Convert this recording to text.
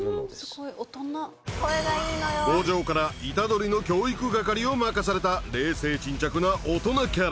五条から虎杖の教育係を任された冷静沈着な大人キャラ。